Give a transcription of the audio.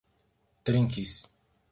trinkis